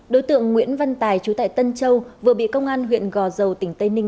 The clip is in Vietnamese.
đối tượng nguyễn văn tài chú tại tân châu vừa bị công an huyện gò dầu tỉnh tây ninh